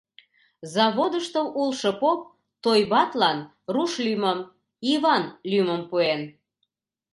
Заводышто улшо поп Тойбатлан руш лӱмым — Иван лӱмым пуэн.